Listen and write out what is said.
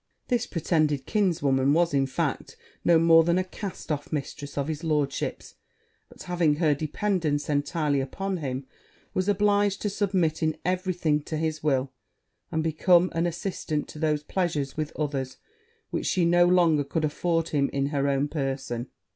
This pretended kinswoman was, in fact, no more than a cast off mistress of his lordship's; but, having her dependance entirely upon him, was obliged to submit in every thing to his will, and become an assistant to those pleasures with others which she could no longer afford him in her own person.